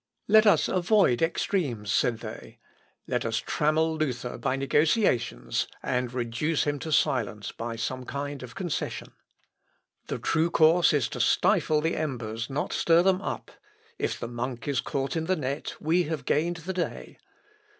"Let us avoid extremes," said they. "Let us trammel Luther by negotiations, and reduce him to silence by some kind of concession. The true course is to stifle the embers, not stir them up. If the monk is caught in the net, we have gained the day.